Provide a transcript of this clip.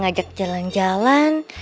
ngajak jalan jalan